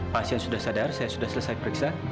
pasien sudah sadar saya sudah selesai periksa